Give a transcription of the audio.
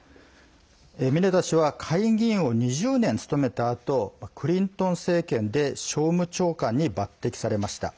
ミネタ氏は下院議員を２０年務めたあとクリントン政権で商務長官に抜てきされました。